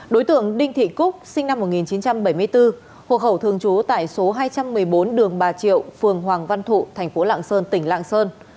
đối tượng đinh thị cúc sinh năm một nghìn chín trăm bảy mươi bốn hộ khẩu thường trú tại số hai trăm một mươi bốn đường bà triệu phường hoàng văn thụ thành phố lạng sơn tỉnh lạng sơn